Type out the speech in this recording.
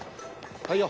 はいよ。